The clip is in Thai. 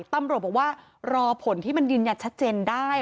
ตำรวจบอกว่ารอผลที่มันยืนยันชัดเจนได้